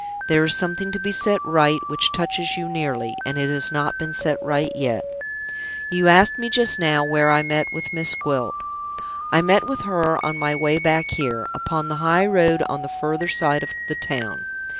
"There is something to be set right which touches you nearly; and it has not been set right yet. You asked me just now where I met with Miss Gwilt. I met with her on my way back here, upon the high road on the further side of the town.